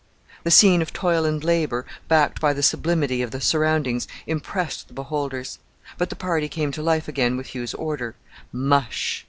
The scene of toil and labour, backed by the sublimity of the surroundings, impressed the beholders; but the party came to life again with Hugh's order, "Mush!"